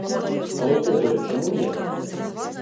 А ўвогуле, чаму не?